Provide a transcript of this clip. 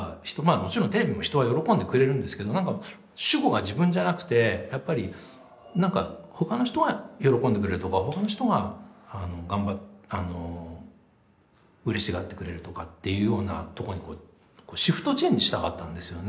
もちろんテレビも人は喜んでくれるんですけど主語が自分じゃなくてやっぱりなんか他の人が喜んでくれるとか他の人が嬉しがってくれるとかっていうようなとこにシフトチェンジしたかったんですよね。